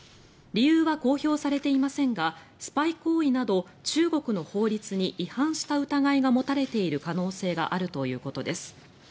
理由は公表されていませんがスパイ行為など中国の法律に違反した疑いが持たれている可能性があるということです。